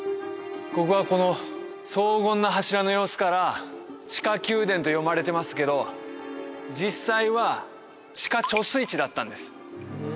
ここはこの荘厳な柱の様子から地下宮殿と呼ばれてますけど実際は地下貯水池だったんです